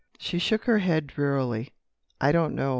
She shook her head drearily: "I don't know....